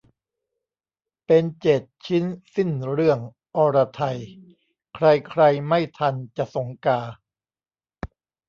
เปนเจ็ดชิ้นสิ้นเรื่องอรไทย ใครใครไม่ทันจะสงกา